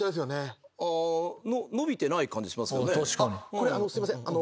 これあのうすいません。